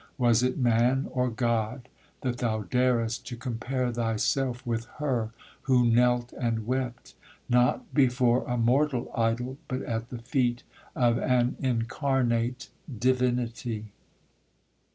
Was it man or God, that thou darest to compare thyself with her who knelt and wept—not before a mortal idol, but at the feet of an incarnate divinity?'